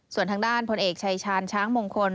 ส่วนทางด้านพลเอกชายชาญช้างมงคล